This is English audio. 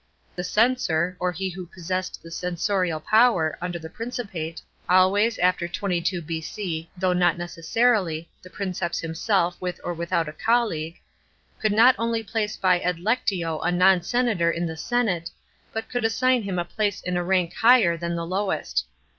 * The censor, or he who possessed the censorial power, under the Principal — always (after 22 B.C.), though not necessarily, the Princeps himself with or without a colleague — could not only place by adlectio a non senator in the senate; but could ass gn him a place in a rank higher than the lowest.